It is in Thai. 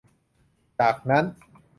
จากนั้น